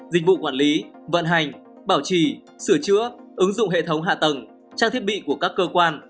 dịch vụ quản lý vận hành bảo trì sửa chữa ứng dụng hệ thống hạ tầng trang thiết bị của các cơ quan